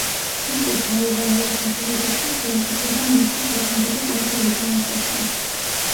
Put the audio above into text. ქრისტეს დაუღალავი მსახურებისთვის ხელისუფლებამ მასზე საგანგებო კონტროლი დააწესა.